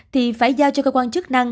thì phải giao cho cơ quan chức năng